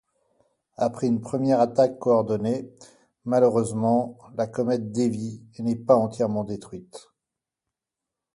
Après une première attaque coordonnée, malheureusement, la comète dévie et n'est pas entièrement détruite.